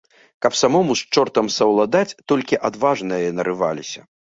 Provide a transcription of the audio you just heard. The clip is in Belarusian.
Каб самому з чортам саўладаць, толькі адважныя нарываліся.